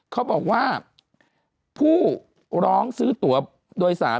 เขาบอกว่าผู้ร้องซื้อตัวโดยสาร